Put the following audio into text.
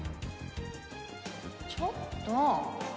ちょっと！